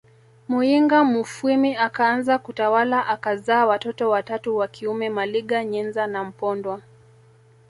Muyinga mufwimi akaanza kutawala akazaa watoto watatu wa kiume Maliga Nyenza na Mpondwa